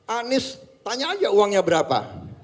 anies tanya aja uangnya berapa